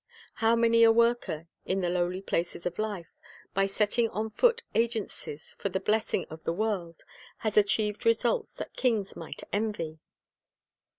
How many a worker in the lowly places of life, by setting on foot agencies for the blessing of the world, has achieved results that kings might envy